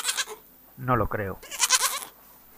no lo creo.